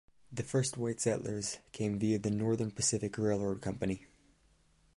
The first white settlers came via the Northern Pacific Railroad Company.